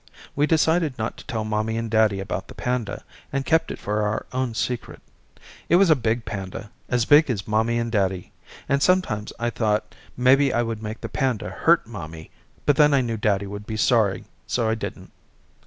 We decided not to tell mommy and daddy about the panda, and kept it for our own secret. It was a big panda, as big as mommy and daddy, and sometimes I thought maybe I would make the panda hurt mommy but then I knew daddy would be sorry so I didn't.